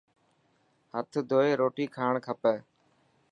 هٿ ڌوئي روٽي کاڻ کپي.